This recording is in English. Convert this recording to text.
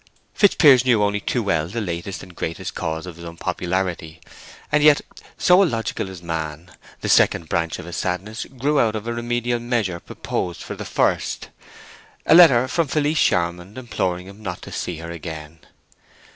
Fitzpiers knew only too well the latest and greatest cause of his unpopularity; and yet, so illogical is man, the second branch of his sadness grew out of a remedial measure proposed for the first—a letter from Felice Charmond imploring him not to see her again.